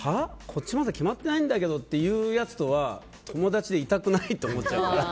こっちはまだ決まってないんだけどって言うやつは友達でいたくないと思っちゃう。